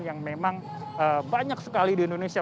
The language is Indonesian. yang memang banyak sekali di indonesia